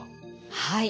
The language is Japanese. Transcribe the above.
はい。